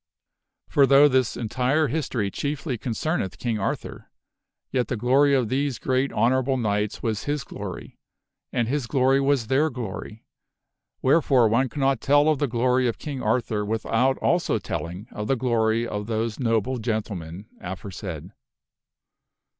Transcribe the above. For though this entire history chiefly concerneth King Arthur, yet the glory of these great honorable knights was his glory, and his glory was their glory, wherefore one cannot tell of the glory of King Arthur without also telling of the glory of those noble gentlemen aforesaid.